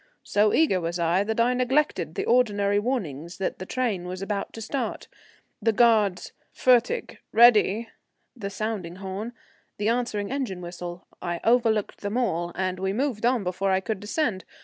So eager was I that I neglected the ordinary warnings that the train was about to start; the guard's fertig ("ready"), the sounding horn, the answering engine whistle, I overlooked them all, and we moved on before I could descend.